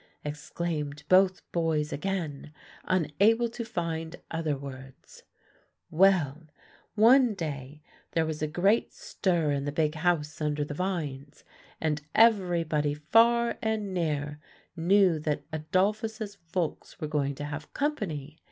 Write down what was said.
exclaimed both boys again, unable to find other words. "Well, one day there was a great stir in the big house under the vines, and everybody far and near knew that Adolphus's folks were going to have company.